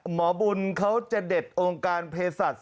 หมอบุญเขาจะเด็ดองค์การเพศัตริย์